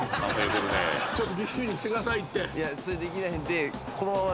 ちょっとビリビリしてくださいって。